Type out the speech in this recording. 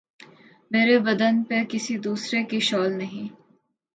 مرے بدن پہ کسی دوسرے کی شال نہیں